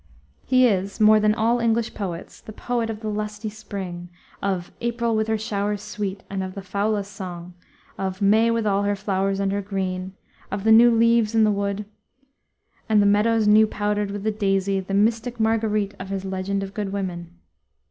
He is, more than all English poets, the poet of the lusty spring, of "Aprille with her showres sweet" and the "foulës song," of "May with all her floures and her greenë," of the new leaves in the wood, and the meadows new powdered with the daisy, the mystic Marguerite of his Legend of Good Women.